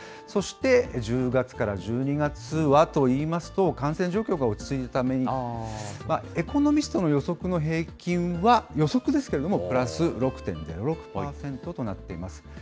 そして１０月から１２月はといいますと、感染状況が落ち着いたために、エコノミストの予測の平均は、予測ですけれども、プラス６．０６％となっています。